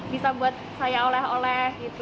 bisa buat saya oleh oleh